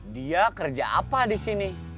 dia kerja apa disini